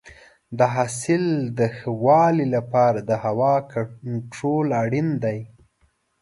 د حاصل د ښه والي لپاره د هوا کنټرول اړین دی.